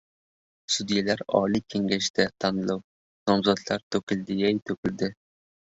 Sudyalar oliy kengashida tanlov: nomzodlar to‘kildi-yey, to‘kildi...